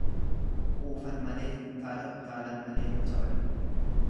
Quufan malee hin utaalan, utaalan malee hin caban.